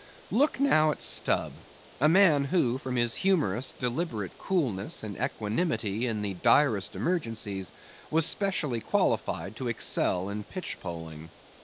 Look now at Stubb; a man who from his humorous, deliberate coolness and equanimity in the direst emergencies, was specially qualified to excel in pitchpoling.